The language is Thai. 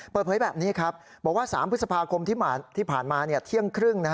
เปิดเผยแบบนี้ครับบอกว่า๓พฤษภาคมที่ผ่านมาเที่ยงครึ่ง